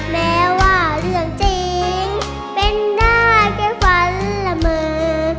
แล้วว่าเรื่องจริงเป็นได้แค่ฝันละเมอ